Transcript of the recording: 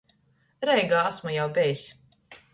Reigā asmu jau bejs.